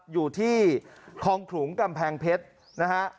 อยู่ที่คลองขลุงกำแพงเพชรนะฮะ